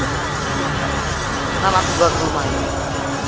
kenapa aku buat rumah ini